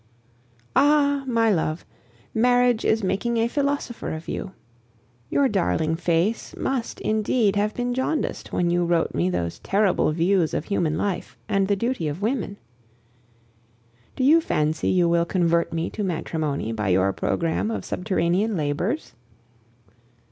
Ah! my love, marriage is making a philosopher of you! Your darling face must, indeed, have been jaundiced when you wrote me those terrible views of human life and the duty of women. Do you fancy you will convert me to matrimony by your programme of subterranean labors?